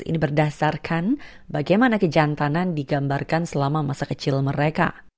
ini berdasarkan bagaimana kejantanan digambarkan selama masa kecil mereka